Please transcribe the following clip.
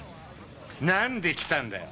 なんで来たんだよ？